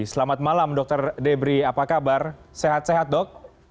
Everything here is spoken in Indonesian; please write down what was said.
selamat malam dr debri apa kabar sehat sehat dok